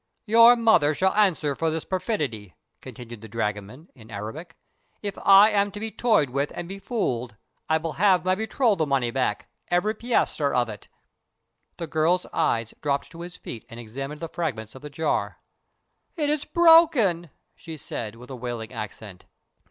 "Your mother shall answer for this perfidy," continued the dragoman, in Arabic. "If I am to be toyed with and befooled, I will have my betrothal money back every piaster of it!" The girl's eyes dropped to her feet and examined the fragments of the jar. "It is broken!" she said, with a wailing accent.